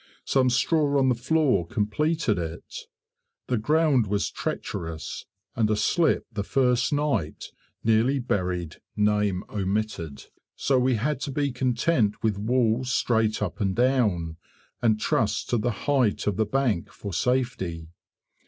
Some straw on the floor completed it. The ground was treacherous and a slip the first night nearly buried . So we had to be content with walls straight up and down, and trust to the height of the bank for safety.